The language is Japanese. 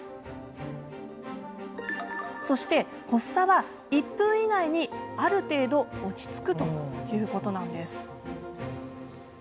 そして発作は１分以内にある程度落ち着くということなんです。